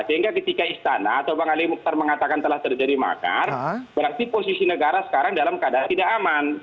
sehingga ketika istana atau bang ali mukhtar mengatakan telah terjadi makar berarti posisi negara sekarang dalam keadaan tidak aman